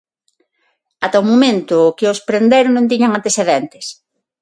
Ata o momento que os prenderon non tiñan antecedentes.